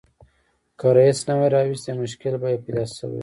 که رییس نه وای راوستي مشکل به یې پیدا شوی و.